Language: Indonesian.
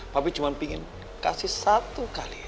papi cuman pingin kasih satu kali